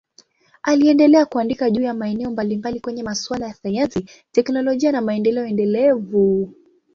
Aliendelea kuandika juu ya maeneo mbalimbali kwenye masuala ya sayansi, teknolojia na maendeleo endelevu.